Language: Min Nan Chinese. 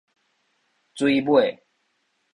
水尾